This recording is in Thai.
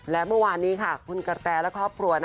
และเมื่อวานนี้ค่ะคุณกาแฟและครอบครัว